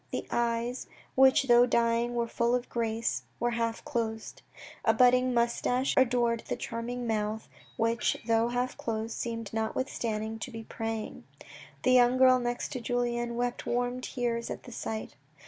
The eyes, which though dying were full of grace, were half closed. A budding moustache adored that charming mouth which, though half closed, seemed notwithstanding to be praying. The young girl next to Julien wept warm tears at the sight.